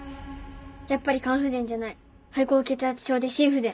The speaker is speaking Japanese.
やっぱり肝不全じゃない肺高血圧症で心不全。